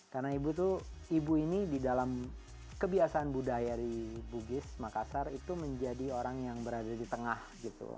karena ibu tuh ibu ini di dalam kebiasaan budaya di bugis makassar itu menjadi orang yang berada di tengah gitu